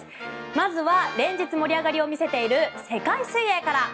まずは連日盛り上がりを見せている世界水泳から。